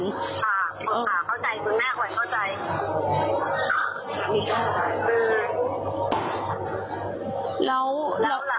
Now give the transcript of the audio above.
คุณแม่ค่อยเข้าใจ